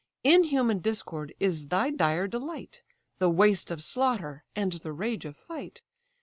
Inhuman discord is thy dire delight, The waste of slaughter, and the rage of fight.